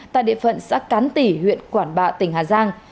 tại địa phận xác cán tỉ huyện quảng bạ tỉnh hà giang